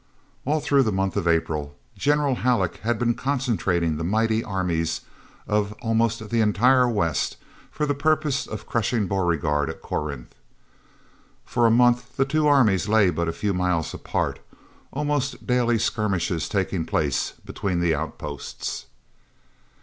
All through the month of April General Halleck had been concentrating the mighty armies of almost the entire West for the purpose of crushing Beauregard at Corinth. For a month the two armies lay but a few miles apart, almost daily skirmishes taking place between the outposts.